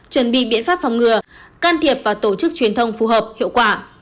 chuẩn bị biện pháp phòng ngừa can thiệp và tổ chức truyền thông phù hợp hiệu quả